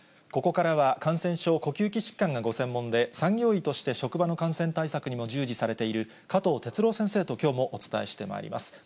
ここからは、感染症、呼吸器疾患がご専門で、産業医として職場の感染対策にも従事されている、加藤哲朗先生ときょうもお伝えしてまいります。